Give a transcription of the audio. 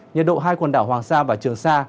nhiệt độ hai quần đảo hoàng sa và trường sa